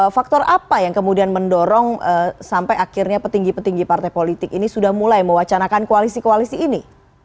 faktor apa yang kemudian mendorong sampai akhirnya petinggi petinggi partai politik ini sudah mulai mewacanakan koalisi koalisi ini